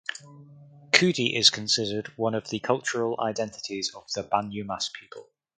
Kudi is considered one of the cultural identities of the Banyumas people.